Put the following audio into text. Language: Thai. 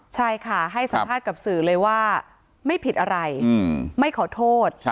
ใช่ค่ะให้สัมภาษณ์กับสื่อเลยว่าไม่ผิดอะไรไม่ขอโทษ